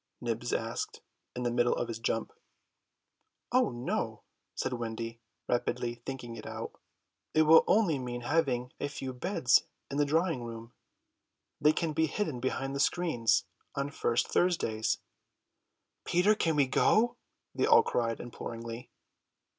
Nibs asked in the middle of his jump. "Oh no," said Wendy, rapidly thinking it out, "it will only mean having a few beds in the drawing room; they can be hidden behind the screens on first Thursdays." "Peter, can we go?" they all cried imploringly.